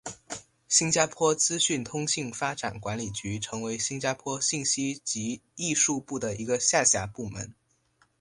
新加坡资讯通信发展管理局成为新加坡信息及艺术部的一个下辖部门。